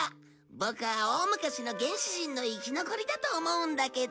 ボクは大昔の原始人の生き残りだと思うんだけど。